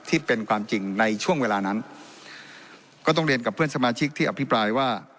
ที่เป็นความจริงในช่วงเวลานั้นก็ต้องเรียนกับเพื่อนสมาชิกที่อภิปรายว่า